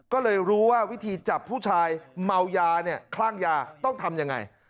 ก็เลยรู้ว่าวิธีจับผู้ชายเมายาเนี่ยคลั่งยาต้องทำยังไง